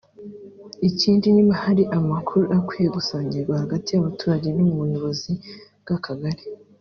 ikindi niba hari amakuru akwiye gusangirwa hagati y’abaturage n‘ubuyobozi bw’Akagari